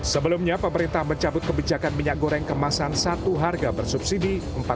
sebelumnya pemerintah mencabut kebijakan minyak goreng kemasan satu harga bersubsidi